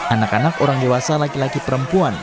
anak anak orang dewasa laki laki perempuan